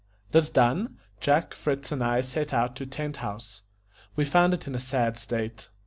This done, Jack, Fritz, and I set out to Tent House. We found it in a sad state.